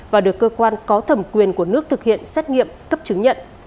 và được cơ quan có thẩm quyền của nước thực hiện xét nghiệm cấp chứng nhận